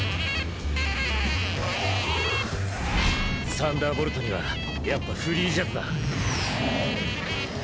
サンダーボルトにはやっぱフリー・ジャズだ。